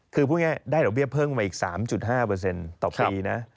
คือพูดง่ายได้ดอกเบี้ยเพิ่มมาอีก๓๕ต่อปีนะ